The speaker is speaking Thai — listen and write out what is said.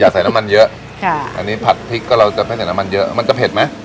ใส่น้ำมันเยอะค่ะอันนี้ผัดพริกก็เราจะไม่ใส่น้ำมันเยอะมันจะเผ็ดไหม